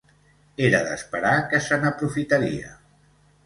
Era d'esperar que se n'aprofitaria.